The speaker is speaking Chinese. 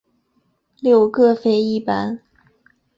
六各飞一班。